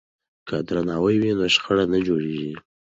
که درناوی وي نو شخړه نه جوړیږي.